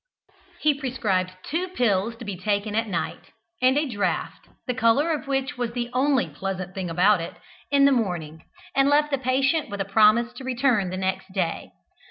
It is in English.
He prescribed two pills to be taken at night, and a draught (the colour of which was the only pleasant thing about it) in the morning, and left the patient with a promise to return next day.